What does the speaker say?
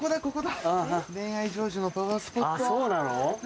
そうなの？